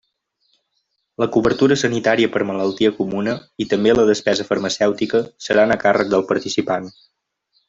La cobertura sanitària per malaltia comuna, i també la despesa farmacèutica, seran a càrrec del participant.